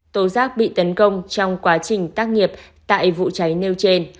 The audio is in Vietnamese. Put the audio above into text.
tố giác bị tấn công trong quá trình tác nghiệp tại vụ cháy nêu trên